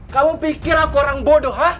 kamu pikir aku orang bodoh